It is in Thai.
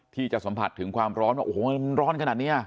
ที่จะสัมผัสถึงความร้อนว่าโอ้โหมันร้อนขนาดนี้